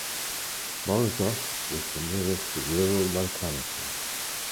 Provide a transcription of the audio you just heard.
Morozov is the nearest rural locality.